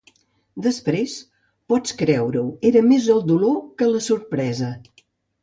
Després, pots creure-ho, era més el dolor que la sorpresa.